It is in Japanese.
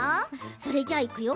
それじゃあ、いくよ！